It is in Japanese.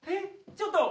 ちょっと！